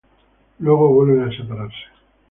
Luego vuelven a separarse.